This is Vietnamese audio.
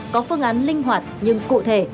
có phương án linh hoạt nhưng cụ thể